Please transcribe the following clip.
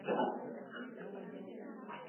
مدنیتونه کنډوالې کړي دي